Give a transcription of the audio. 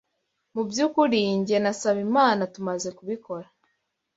Mubyukuri, njye na Nsabimana tumaze kubikora.